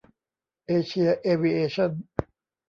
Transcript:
เอเชีย เอวิเอชั่น